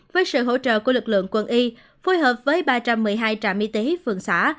với sự hỗ trợ của lực lượng quân y phối hợp với ba trăm một mươi hai trạm y tế phường xã